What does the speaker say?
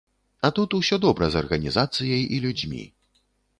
А тут усё добра з арганізацыяй і людзьмі.